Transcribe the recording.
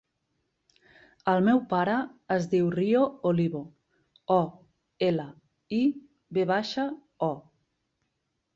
El meu pare es diu Rio Olivo: o, ela, i, ve baixa, o.